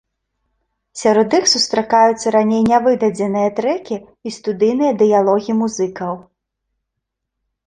Сярод іх сустракаюцца раней нявыдадзеныя трэкі і студыйныя дыялогі музыкаў.